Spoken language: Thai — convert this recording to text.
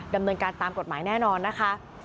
ดำเนินการตามกฎหมายแน่นอนนะคะ